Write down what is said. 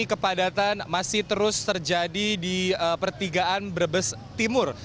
kepadatan masih terus terjadi di pertigaan brebes timur